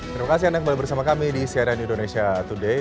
terima kasih anda kembali bersama kami di cnn indonesia today